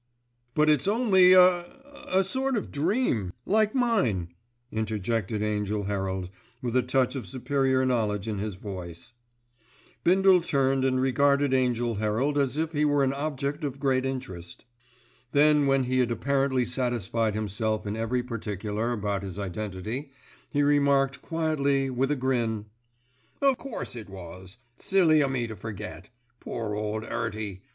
"But it's only a—a—sort of dream, like mine," interjected Angell Herald, with a touch of superior knowledge in his voice. Bindle turned and regarded Angell Herald as if he were an object of great interest. Then when he had apparently satisfied himself in every particular about his identity, he remarked quietly with a grin: "O' course it was. Silly o' me to forget. Poor ole 'Earty.